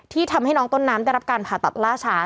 ทำให้น้องต้นน้ำได้รับการผ่าตัดล่าช้า